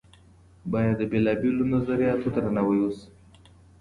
بايد د بېلابېلو نظرياتو درناوی وسي.